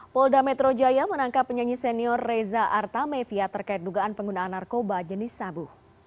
polda metro jaya menangkap penyanyi senior reza artamevia terkait dugaan penggunaan narkoba jenis sabu